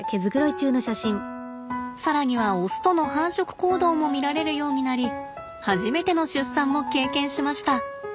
更にはオスとの繁殖行動も見られるようになり初めての出産も経験しました。